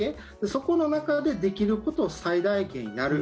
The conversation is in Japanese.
そこの中でできることを最大限やる。